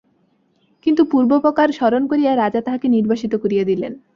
কিন্তু পূর্বোপকার স্মরণ করিয়া রাজা তাঁহাকে নির্বাসিত করিয়া দিলেন।